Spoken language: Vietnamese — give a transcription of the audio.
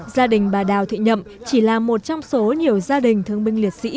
gia đình bà đào thị nhậm chỉ là một trong số nhiều gia đình thương binh liệt sĩ